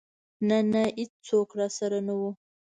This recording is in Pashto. نه نه ايڅوک راسره نه و.